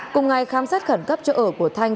cùng ngày khám xét khẩn cấp chỗ ở của thanh